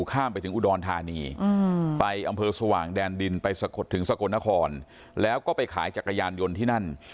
ข้ามไปถึงอุดรธานีไปอำเภอสว่างแดนดินไปถึงสกลนครแล้วก็ไปขายจักรยานยนต์ที่นั่น